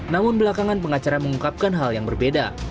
namun belakangan pengacara mengungkapkan hal yang berbeda